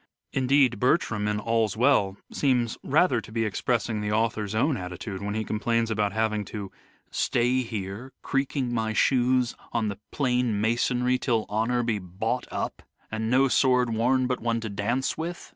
Indeed Bertram, in " All's Well," seems rather to be expressing the author's own attitude when he complains about having to '' Stay here, Creaking my shoes on the plain masonry, Till honour be bought up, and no sword worn But one to dance with."